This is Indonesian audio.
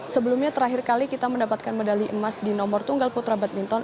sebelumnya terakhir kali kita mendapatkan medali emas di nomor tunggal putra badminton